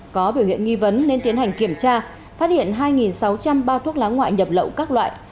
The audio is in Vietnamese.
có biểu hiện nghi vấn nên tiến hành kiểm tra phát hiện hai sáu trăm linh bao thuốc lá ngoại nhập lậu các loại